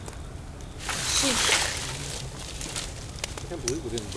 Şıs!